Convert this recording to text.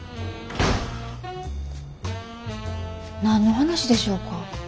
何の話でしょうか？